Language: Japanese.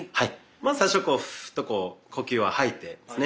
まず最初ふぅっと呼吸を吐いてですね